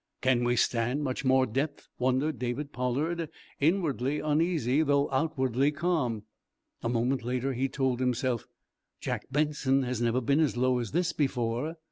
"Can we stand much more depth?" wondered David Pollard, inwardly uneasy, though outwardly calm. A moment later he told himself: "Jack Benson has never been as low as this before!"